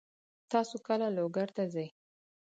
تاسو کله لوګر ته ځئ؟